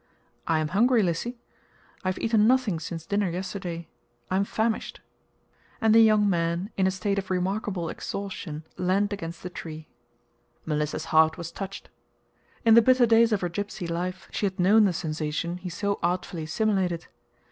"I am hungry, Lissy. I have eaten nothing since dinner yesterday. I am famished!" and the young man in a state of remarkable exhaustion leaned against the tree. Melissa's heart was touched. In the bitter days of her gypsy life she had known the sensation he so artfully simulated.